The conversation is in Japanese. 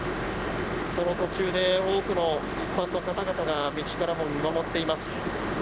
その途中で多くの一般の方々が道からも見守っています。